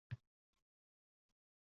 Osuda baxt